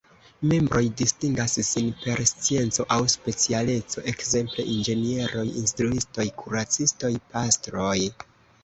Membroj distingas sin per scienco aŭ specialeco, ekzemple inĝenieroj, instruistoj, kuracistoj, pastroj.